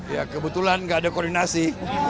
ya kebetulan nggak ada koordinasi